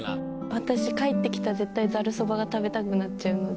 私帰ってきたら絶対ざるそばが食べたくなっちゃうので。